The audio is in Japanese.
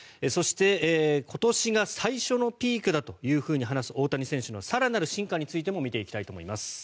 そして、今年が最初のピークだと話す大谷選手の更なる進化についても見ていきたいと思います。